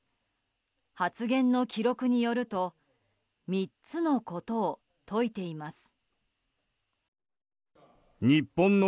発言の記録によると３つのことを説いています。